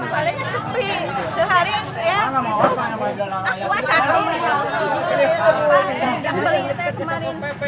palingnya sepi sehari setiap itu akuas aku